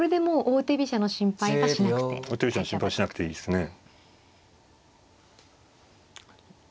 王手飛車の心配はしなくていいですね。